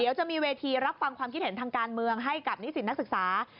เดี๋ยวจะมีเวทีรับฟังความคิดเห็นทางการเมืองให้กับนิสิตนักศึกษา